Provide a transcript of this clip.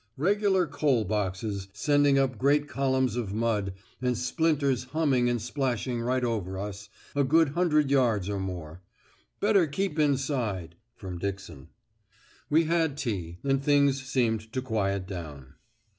Regular coal boxes, sending up great columns of mud, and splinters humming and splashing right over us, a good hundred yards or more. 'Better keep inside,' from Dixon. We had tea, and things seemed to quiet down.